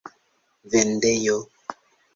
vendejo